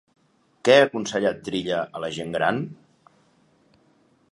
Què ha aconsellat Trilla a la gent gran?